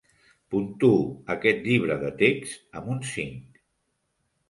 Puntuo aquest llibre de text amb un cinc.